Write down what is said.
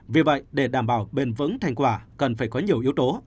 vì vậy để đảm bảo bền vững thành quả cần phải có nhiều yếu tố